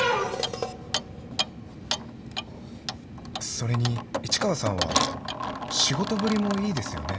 それに市川さんは仕事ぶりもいいですよね。